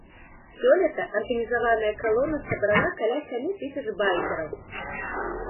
Сёлета арганізаваная калона сабрала каля сямі тысяч байкераў.